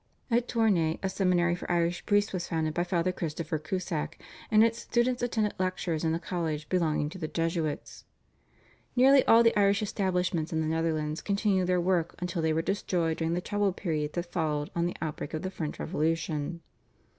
At Tournai a seminary for Irish priests was founded by Father Christopher Cusack, and its students attended lectures in the college belonging to the Jesuits. Nearly all the Irish establishments in the Netherlands continued their work until they were destroyed during the troubled period that followed on the outbreak of the French Revolution.